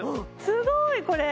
すごいこれ！